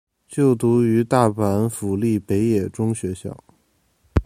就读于大阪府立北野中学校。